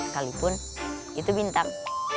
kalaupun itu bintang